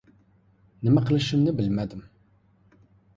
Nima qilishimni bilmadim.